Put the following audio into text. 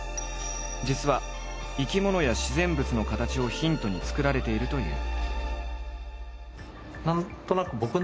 実は生き物や自然物の形をヒントに作られているという。